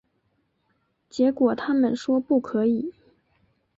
结果他们说不可以